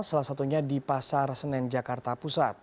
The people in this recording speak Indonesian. salah satunya di pasar senen jakarta pusat